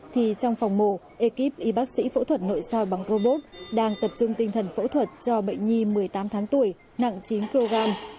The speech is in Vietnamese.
thì trong phòng mổ ekip y bác sĩ phẫu thuật nội soi bằng robot đang tập trung tinh thần phẫu thuật cho bệnh nhi một mươi tám tháng tuổi nặng chín kg